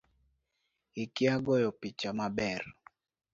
Ikia goyo picha maber